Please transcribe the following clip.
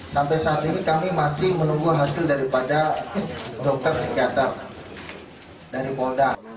sampai saat ini kami masih menunggu hasil daripada dokter psikiater dari polda